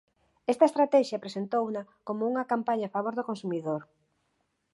Esta estratexia presentouna como unha campaña a favor do consumidor.